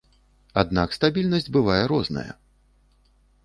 Аднак стабільнасць бывае розная.